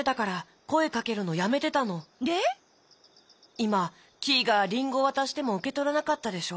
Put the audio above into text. いまキイがりんごわたしてもうけとらなかったでしょ？